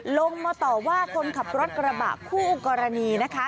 ลงมาต่อว่าคนขับรถกระบะคู่กรณีนะคะ